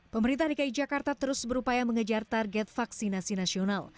pemerintah dki jakarta terus berupaya mengejar target vaksinasi nasional